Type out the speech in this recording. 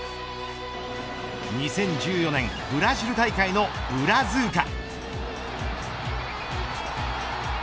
２０１４年ブラジル大会のブラズーカ。